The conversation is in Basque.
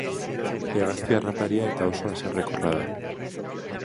Hegazti harraparia eta oso haserrekorra da.